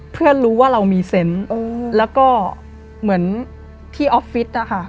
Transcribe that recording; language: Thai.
เพื่อนรู้ว่าเรามีเซนต์แล้วก็เหมือนที่ออฟฟิศนะคะ